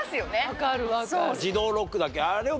分かる分かる。